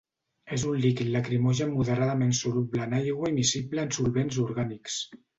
És un líquid lacrimogen moderadament soluble en aigua i miscible en solvents orgànics.